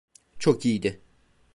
Çok iyiydi.